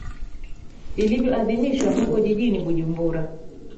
ilivyo adhimishwa huko jijini bujumbura